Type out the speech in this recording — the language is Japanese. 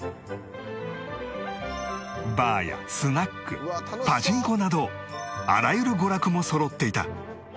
バーやスナックパチンコなどあらゆる娯楽もそろっていた